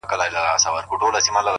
نظم د وخت غوره استعمال ممکنوي,